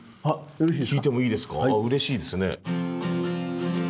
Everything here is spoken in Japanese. うれしいですね。